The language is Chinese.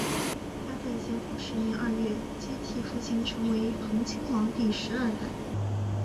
他在咸丰十年二月接替父亲成为恒亲王第十二代。